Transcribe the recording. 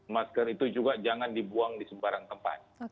masker itu juga jangan dibuang di sembarang tempat